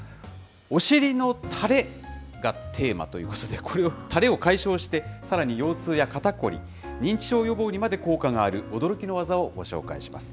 お尻のたれがテーマということで、たれを解消して、さらに腰痛や肩凝り、認知症予防にまで効果のある驚きの技をご紹介します。